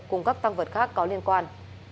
cùng các tăng vật khác có liên quan